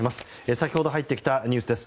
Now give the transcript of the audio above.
先ほど入ってきたニュースです。